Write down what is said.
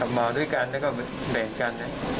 มาด้วยกันแล้วก็แบ่งกัน